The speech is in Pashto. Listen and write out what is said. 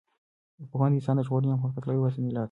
پوهنه د انسانیت د ژغورنې او د پرمختګ یوازینۍ لاره ده.